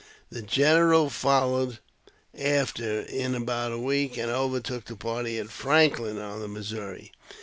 The general followed after in about a week, and overtook the party at Franklin, on the Missouri.